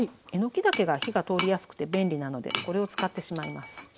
えのきだけが火が通りやすくて便利なのでこれを使ってしまいます。